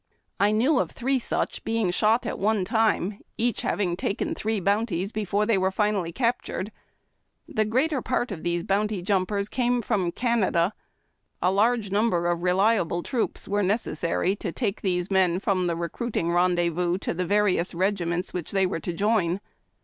I knew of three such being shot at one time, each having taken three bounties before they were finally captured. The greater part of these bounty jumpers came from Canada. A large number of reliable troops were necessary to take these men from the recruiting rendezvous to the various regiments which they were to join.